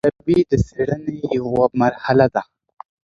ارزیابي د څېړنې یوه مرحله ده.